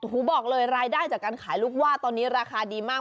บอกเลยรายได้จากการขายลูกว่าตอนนี้ราคาดีมาก